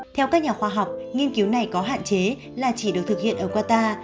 theo các nhà khoa học nghiên cứu này có hạn chế là chỉ được thực hiện ở qatar